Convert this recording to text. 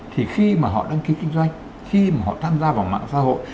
thì khi mà họ đăng ký kinh doanh khi mà họ tham gia vào mạng xã hội